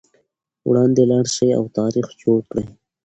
وړاندې لاړ شئ او تاریخ جوړ کړئ.